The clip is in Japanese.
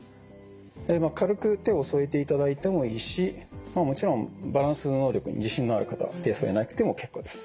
軽く手を添えていただいてもいいしもちろんバランス能力に自信のある方は手を添えなくても結構です。